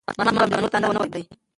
ماشومان به مېلمنو ته نه ور پرېږدي.